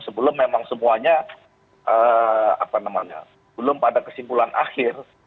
sebelum memang semuanya apa namanya belum pada kesimpulan akhir